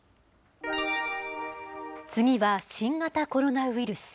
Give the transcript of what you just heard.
次は新型コロナウイルス。